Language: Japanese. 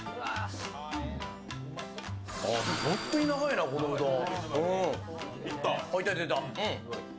本当に長いなこのうどん。